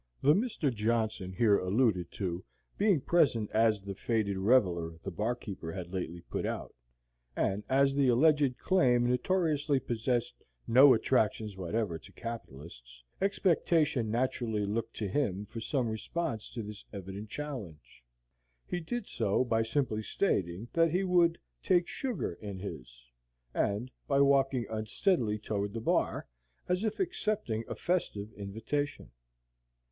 The Mr. Johnson here alluded to being present as the faded reveller the barkeeper had lately put out, and as the alleged claim notoriously possessed no attractions whatever to capitalists, expectation naturally looked to him for some response to this evident challenge. He did so by simply stating that he would "take sugar" in his, and by walking unsteadily toward the bar, as if accepting a festive invitation.